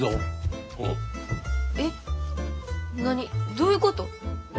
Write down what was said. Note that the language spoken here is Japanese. どういうこと？